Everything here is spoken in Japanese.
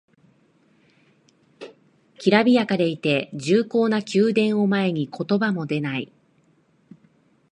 きらびやかでいて重厚な宮殿を前に言葉も出ない